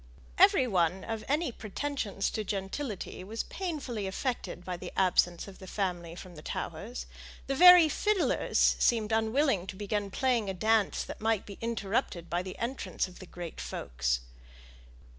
Every one of any pretensions to gentility was painfully affected by the absence of the family from the Towers; the very fiddlers seemed unwilling to begin playing a dance that might be interrupted by the entrance of the great folks.